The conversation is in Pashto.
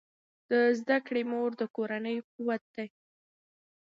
د زده کړې مور د کورنۍ قوت ده.